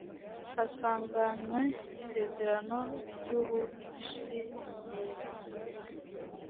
asanganywe isezerano ry ubushyingiranwe